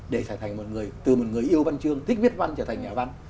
để trở thành một người từ một người yêu văn chương thích viết văn trở thành nhà văn